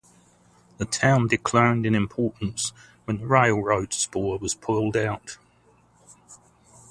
The town declined in importance when the railroad spur was pulled out.